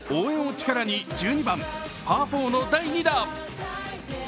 応援を力に１２番パー４の第２打。